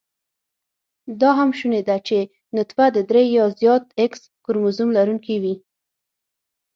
دا هم شونې ده چې نطفه د درې يا زیات x کروموزم لرونېکې وي